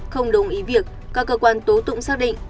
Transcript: không đồng ý việc các cơ quan tố tụng xác định